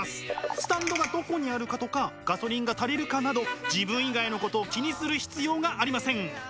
スタンドがどこにあるかとかガソリンが足りるかなど自分以外のことを気にする必要がありません。